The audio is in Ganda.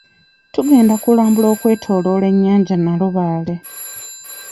Tugenda kulambula okwetoloola ennyanja Nalubaale.